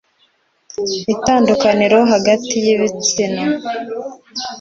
itandukaniro hagati y ibitsina